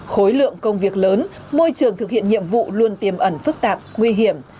khối lượng công việc lớn môi trường thực hiện nhiệm vụ luôn tiềm ẩn phức tạp nguy hiểm